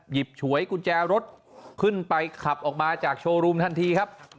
ฉวยกุญแจรถขึ้นไปขับออกมาจากโชว์รูมทันทีครับ